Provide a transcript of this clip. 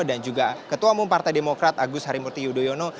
dan juga ketua umum partai demokrat agus harimurti yudhoyono